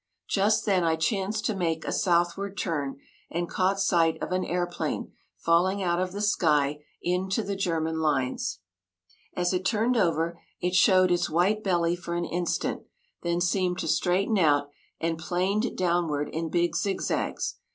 Just then I chanced to make a southward turn, and caught sight of an airplane falling out of the sky into the German lines. As it turned over, it showed its white belly for an instant, then seemed to straighten out, and planed downward in big zigzags.